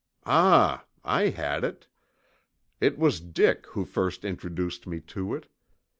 Ah, I had it. It was Dick who first introduced me to it.